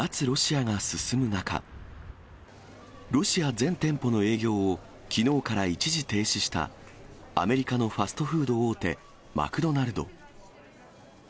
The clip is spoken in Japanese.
ロシアが進む中、ロシア全店舗の営業を、きのうから一時停止した、アメリカのファストフード大手、マクドナルド。